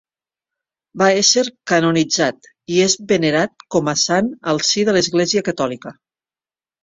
Va ésser canonitzat i és venerat com a sant al si de l'Església catòlica.